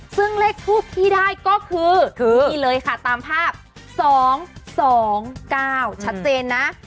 ซึ่งเลขทูปที่ได้ก็คือนี่เลยค่ะตามภาพ๒๒๙ชัดเจนนะ